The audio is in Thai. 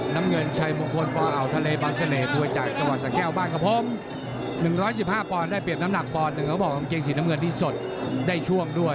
น้ำเงินชัยมงคลปอทะเลบังเสน่ห์ผู้จัดจสแก้วบ้านครับผม๑๑๕ปอนด์ได้เปรียบน้ำหนักปอนด์๑เค้าบอกว่ากางเกงสีน้ำเงินที่สดได้ช่วงด้วย